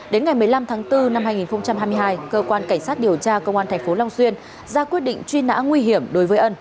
đến ngày một mươi năm tháng bốn năm hai nghìn hai mươi hai cơ quan cảnh sát điều tra công an tp long xuyên ra quyết định truy nã nguy hiểm đối với ân